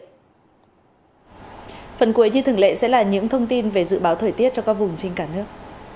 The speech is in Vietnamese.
phần cuối như thường lệ sẽ là những thông tin về dự báo thời tiết cho các vùng trên cả nước